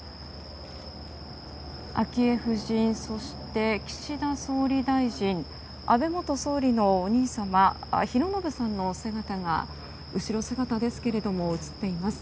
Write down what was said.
昭恵夫人、そして岸田総理大臣安倍元総理のお兄様寛信さんのお姿が後ろ姿ですが映っています。